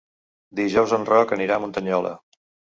Dijous en Roc anirà a Muntanyola.